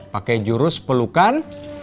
pakai jurus pelukan